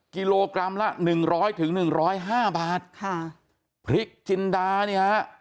กิโลกรัมละหนึ่งร้อยถึงหนึ่งร้อยห้าบาทค่ะพริกจินดาเนี่ยฮะ